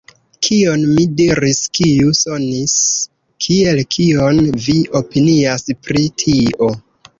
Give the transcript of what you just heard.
Kion mi diris kiu sonis kiel “kion vi opinias pri tio”?